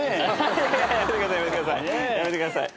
やめてください